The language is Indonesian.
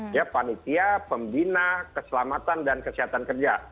ya panitia pembina keselamatan dan kesehatan kerja